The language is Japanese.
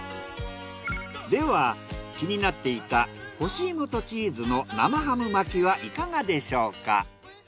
では気になっていた干し芋とチーズの生ハム巻きはいかがでしょうか？